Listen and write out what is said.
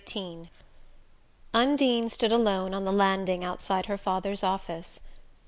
XVIII Undine stood alone on the landing outside her father's office.